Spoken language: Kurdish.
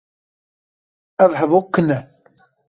Ev hevok kin e.